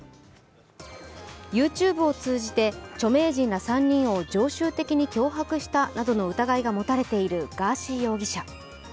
ＹｏｕＴｕｂｅを通じて著名人ら３人を常習的に脅迫したなどの疑いが持たれているガーシー容疑者。